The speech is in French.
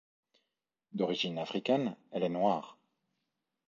D'origine africaine, elle est noire.